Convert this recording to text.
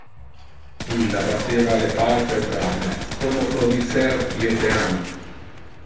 Illa batteva le palpebra a me, como pro dicer "io te ama".